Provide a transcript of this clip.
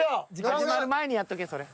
始まる前にやっとけそれ。